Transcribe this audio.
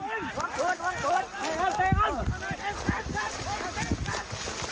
หลบลุกล่าวลุกล่าวลุกล่าวลุกล่าว